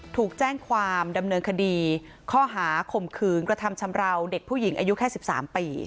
ถูกแจ้งความดำเนินคดีข้อหาข่มขืนกระทำชำราวเด็กผู้หญิงอายุแค่๑๓ปี